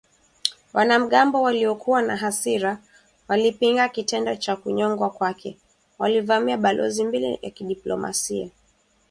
Wanamgambo waliokuwa na hasira walipinga kitendo cha kunyongwa kwake, walivamia balozi mbili za kidiplomasia za Saudi Arabia nchini Iran